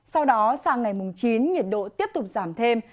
sau đó sang ngày mùng chín nhiệt độ tiếp tục giảm thêm